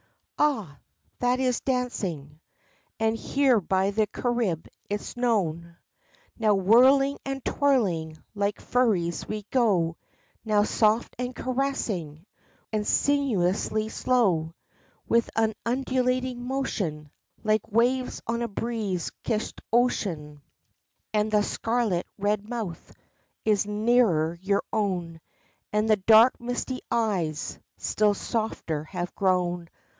Ah! that is dancing, As here by the Carib it's known. Now, whirling and twirling Like furies we go; Now, soft and caressing And sinuously slow; With an undulating motion, Like waves on a breeze kissed ocean: And the scarlet red mouth Is nearer your own, And the dark, misty eyes Still softer have grown.